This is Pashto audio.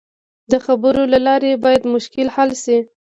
د خبرو له لارې باید مشکل حل شي.